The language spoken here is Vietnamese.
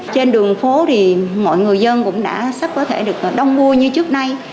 trên đường phố thì mọi người dân cũng đã sắp có thể được đông mua như trước nay